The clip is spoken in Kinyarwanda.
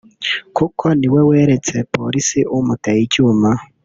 kuko ni we weretse Polisi umuteye icyuma